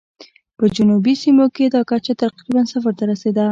په جنوبي سیمو کې دا کچه تقریباً صفر ته رسېده.